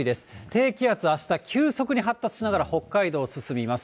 低気圧、あした急速に発達しながら、北海道を進みます。